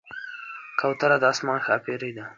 کوتره د آسمان ښاپېرۍ ده.